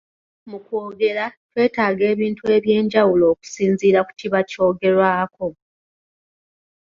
Mu kwogera twetaaga ebintu eby’enjawulo okusinziira ku kiba kyogerwako.